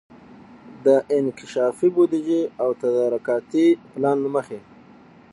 د انکشافي بودیجې او تدارکاتي پلان له مخي